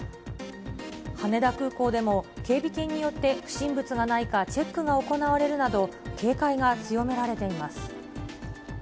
羽田空港でも警備犬によって不審物のチェックが行われるなど、警戒が強められています。